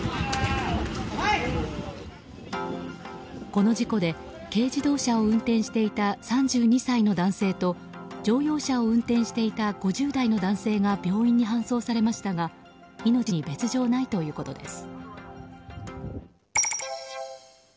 この事故で軽自動車を運転していた３２歳の男性と乗用車を運転していた５０代の男性が病院に搬送されましたが命に別条はないということです。